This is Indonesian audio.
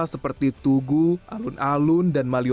seperti tugu alun alun dan malio